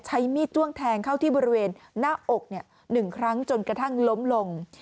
ใช้มีดจ้วงแทงเข้าที่บริเวณหน้าอก๑ครั้งจนกระทั่งล้มลง